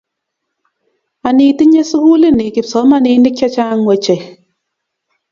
anii tinye sukulini kipsomaninin chechang wechei